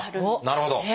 なるほど！